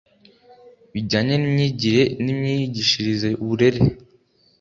bijyanye n’imyigire n’imyigishirize uburere